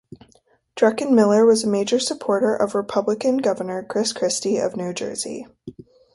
Druckenmiller was a major supporter of Republican Governor Chris Christie of New Jersey.